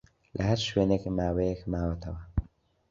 لە ھەر شوێنێک ماوەیەک ماوەتەوە